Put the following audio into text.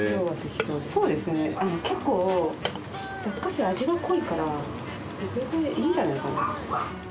そうですね結構落花生味が濃いからいいんじゃないかな。